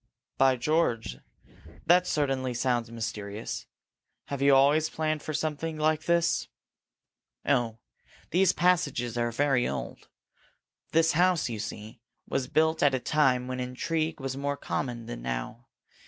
"By George, that certainly sounds mysterious! Have you always planned for something like this?" "Oh, these passages are very old. This house, you see, was built at a time when intrigue was more common than now.